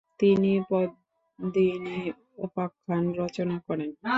তিনি পদ্মিনী উপাখ্যান রচনা করেন।